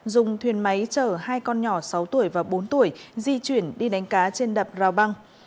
dùng thuyền máy chở hai con nhỏ sáu tuổi và bốn tuổi di chuyển đi đánh cá trên đập rào băng